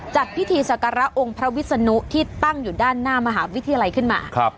จัดพิธีสักการะองค์พระวิศนุที่ตั้งอยู่ด้านหน้ามหาวิทยาลัยขึ้นมา